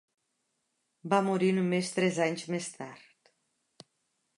Va morir només tres anys més tard.